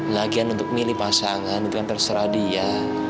lagian untuk milih pasangan itu kan terserah dia